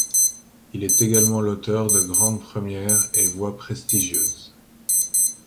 Il est également l'auteur de grandes premières et voies prestigieuses.